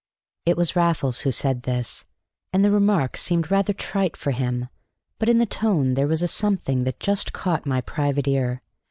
It was Raffles who said this, and the remark seemed rather trite for him, but in the tone there was a something that just caught my private ear.